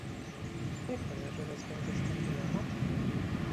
Jak należy rozwiązać ten dylemat?